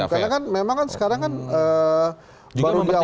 belum karena kan memang kan sekarang kan baru di awal awal